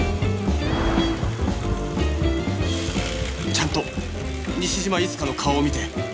ちゃんと西島いつかの顔を見て